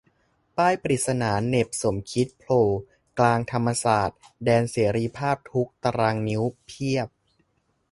ป้ายปริศนา เหน็บ "สมคิด" โผล่กลางธรรมศาสตร์ แดนเสรีภาพทุกตารางนิ้ว เพียบ !